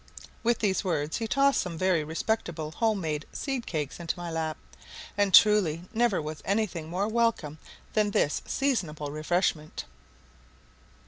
With these words he tossed some very respectable home made seed cakes into my lap, and truly never was anything more welcome than this seasonable refreshment.